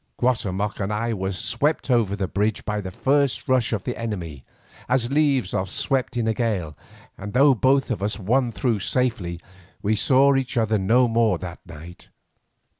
Guatemoc and I were swept over that bridge by the first rush of the enemy, as leaves are swept in a gale, and though both of us won through safely we saw each other no more that night.